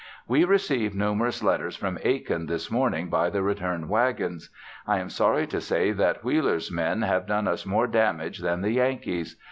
We received numerous letters from Aiken this morning by the return wagons. I am sorry to say that Wheeler's men have done us more damage than the Yankees.